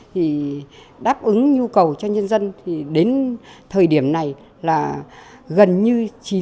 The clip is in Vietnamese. thì đáp ứng nhu cầu cho nhân dân thì đến thời điểm này là gần như chín mươi sáu chín mươi bảy